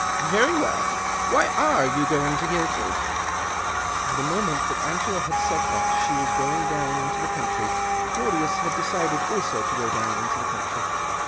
"Very well. Why are you going to Guilbridge ?" The moment that Angela had said that she was going down into the country Claudius had decided also to go down into the country.